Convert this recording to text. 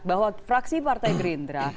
masyarakat bahwa f praksi partai gerindra